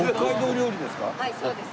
はいそうです。